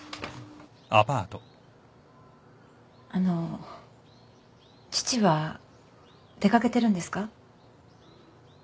あの父は出掛けてるんですか？